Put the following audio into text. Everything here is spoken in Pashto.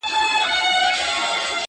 مه راته وايه چي د کار خبري ډي ښې دي.